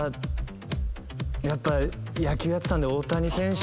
やっぱ野球やってたんで大谷選手。